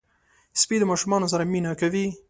سپي د ماشومانو سره مینه کوي.